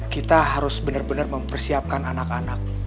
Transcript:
kita harus bener bener mempersiapkan anak anak